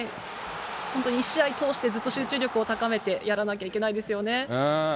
本当に１試合通してずっと集中力を高めてやらなきゃいけないですよね。